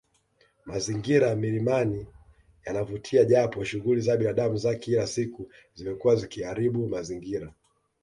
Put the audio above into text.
Mazingira milimani yanavutia japo shughuli za binadamu za kila siku zimekuwa zikiharibu mazingira